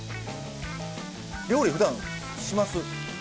料理ふだんします？